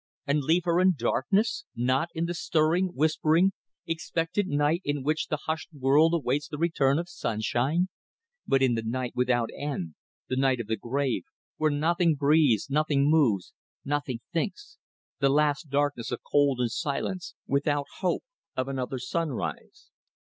and leave her in darkness: not in the stirring, whispering, expectant night in which the hushed world awaits the return of sunshine; but in the night without end, the night of the grave, where nothing breathes, nothing moves, nothing thinks the last darkness of cold and silence without hope of another sunrise.